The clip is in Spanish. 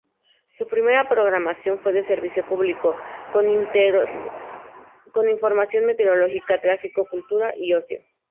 Su primera programación fue de servicio público, con información meteorológica, tráfico, cultura, ocio.